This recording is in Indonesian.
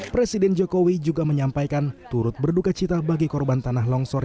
presiden jokowi juga menyampaikan turut berduka cita bagi korban tanah longsor